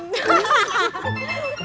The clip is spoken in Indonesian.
udah yuk ah